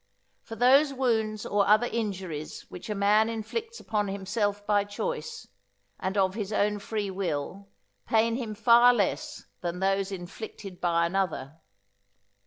For those wounds or other injuries which a man inflicts upon himself by choice, and of his own free will, pain him far less than those inflicted by another.